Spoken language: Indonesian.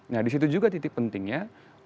nah di situ juga titik pentingnya